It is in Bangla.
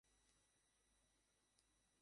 সবকিছু বলবে, কিছুই বাদ দেবে না।